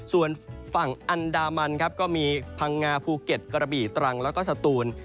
ส่วนฝั่งอันดามันครับก็มีพังงาภูเก็ตกระบี่ตรังแล้วก็สตูน